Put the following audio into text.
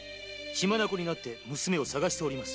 血眼になって娘を探しております。